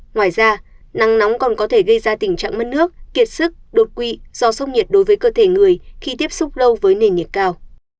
ngoài ra nắng nóng còn có thể gây ra tình trạng mất nước kiệt sức đột quỵ do sốc nhiệt đối với cơ thể người khi tiếp xúc lâu với nền nhiệt cao